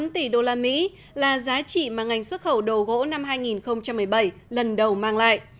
tám tỷ đô la mỹ là giá trị mà ngành xuất khẩu đồ gỗ năm hai nghìn một mươi bảy lần đầu mang lại